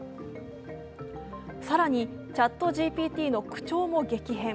更にＣｈａｔＧＰＴの口調も激変。